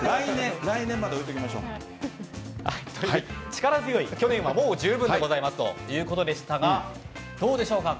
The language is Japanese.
力強い、去年はもう十分でございますということでしたがどうでしょうか